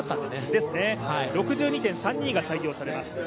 ６２．３２が採用されます。